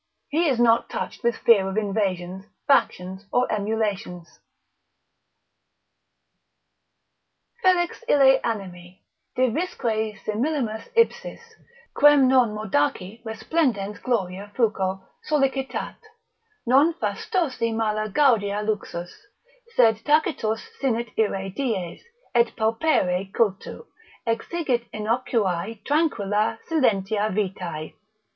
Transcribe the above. He is not touched with fear of invasions, factions or emulations; Felix ille animi, divisque simillimus ipsis, Quem non mordaci resplendens gloria fuco Solicitat, non fastosi mala gaudia luxus, Sed tacitos sinit ire dies, et paupere cultu Exigit innocuae tranquilla silentia vitae.